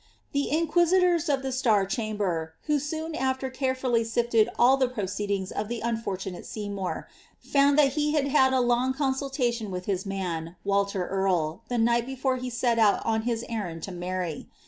The inquisitors of the Star Chamber, who soon after carefully sifted tU the proceedings of the unfortunate Seymour, found that he had had a long consultation with his man, Walter Earle, the night before he set out on his errand to Mary.